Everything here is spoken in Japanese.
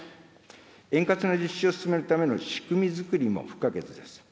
円滑な実施を進めるための仕組み作りも不可欠です。